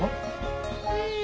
うん。